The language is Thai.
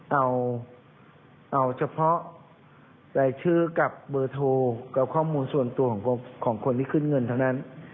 เอาเฉพาะรายชื่อกับเบอร์โทรกับข้อมูลส่วนตัวของคนที่ขึ้นเงินเท่านั้น